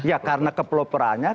ya karena keploporannya